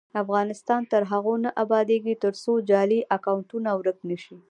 افغانستان تر هغو نه ابادیږي، ترڅو جعلي اکونټونه ورک نشي.